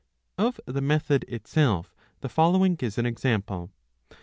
Of the method itself the following is an example.